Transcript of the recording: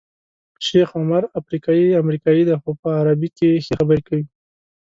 شیخ عمر افریقایی امریکایی دی خو په عربي کې ښې خبرې کوي.